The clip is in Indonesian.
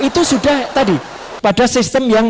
itu sudah tadi pada sistem yang